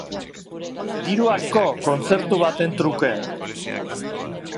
Diru asko, kontzertu baten truke.